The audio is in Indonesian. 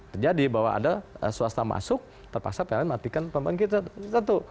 terjadi bahwa ada swasta masuk terpaksa pln matikan pembangkit satu